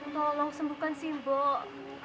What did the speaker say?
tolong sembuhkan si mbok